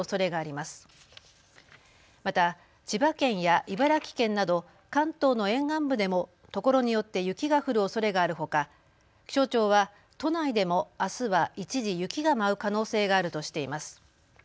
また千葉県や茨城県など関東の沿岸部でもところによって雪が降るおそれがあるほか気象庁は都内でもあすは一時、雪が舞う可能性があるとしています。